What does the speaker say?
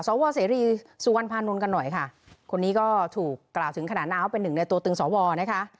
สวสรีสวนพานนนกันหน่อยค่ะคนนี้ก็ถูกกระเป๋าถึงขณะน้าวเป็นหนึ่งในตัวตึงสวนะคะ